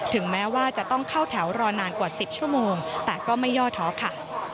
ถึงแม้ว่าจะต้องเข้าแถวรอนานกว่า๑๐ชั่วโมงแต่ก็ไม่ย่อท้อค่ะ